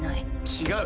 違う。